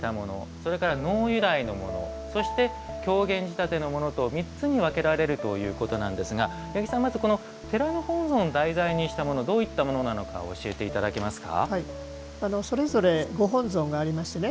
それから能由来のものそして狂言仕立てのものと３つに分けられるということなんですが八木さん、まずこの寺の本尊を題材にしたものどういったものなのか教えていただけますか。